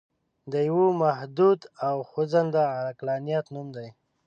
د یوه محدود او خوځنده عقلانیت نوم دی.